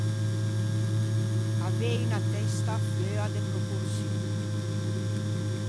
Avei unna testa feua de proporçion.